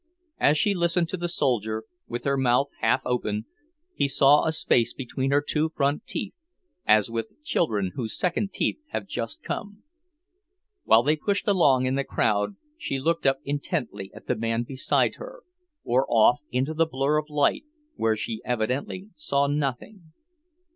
As she listened to the soldier, with her mouth half open, he saw a space between her two front teeth, as with children whose second teeth have just come. While they pushed along in the crowd she looked up intently at the man beside her, or off into the blur of light, where she evidently saw nothing.